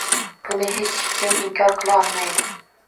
Buni hech kim inkor qila olmaydi.